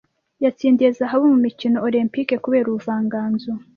yatsindiye Zahabu mu mikino Olempike kubera ubuvanganzo